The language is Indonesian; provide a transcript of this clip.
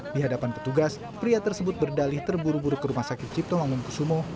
di hadapan petugas pria tersebut berdalih terburu buru ke rumah sakit cipto ngomong kusumo